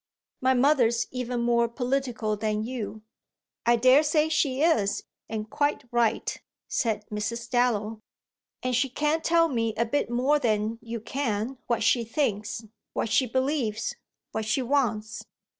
My mother's even more political than you." "I daresay she is, and quite right!" said Mrs. Dallow. "And she can't tell me a bit more than you can what she thinks, what she believes, what she wants."